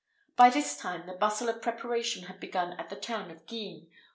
By this time the bustle of preparation had begun at the town of Guisnes.